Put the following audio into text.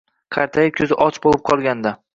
Qartayib ko`zi och bo`lib qolgandi